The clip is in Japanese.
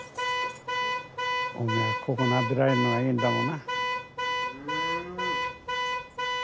おめえはここなでられんのがいいんだもんな。